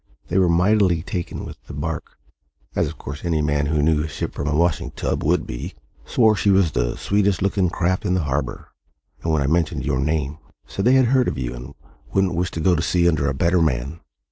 They were mightily taken with the barque as of course any man who knew a ship from a washing tub would be swore she was the sweetest looking craft in the harbour; and, when I mentioned your name, said they had heard of you and wouldn't wish to go to sea under a better man.